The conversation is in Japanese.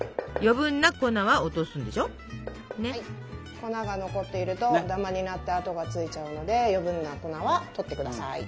粉が残っているとダマになって跡がついちゃうので余計な粉はとってください。